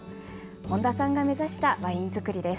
本多さんが目指したワイン造りです。